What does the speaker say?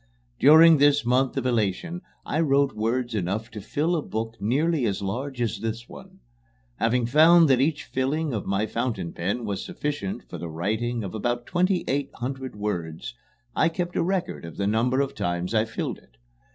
During this month of elation I wrote words enough to fill a book nearly as large as this one. Having found that each filling of my fountain pen was sufficient for the writing of about twenty eight hundred words, I kept a record of the number of times I filled it.